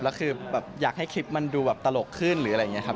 แล้วคือแบบอยากให้คลิปมันดูแบบตลกขึ้นหรืออะไรอย่างนี้ครับ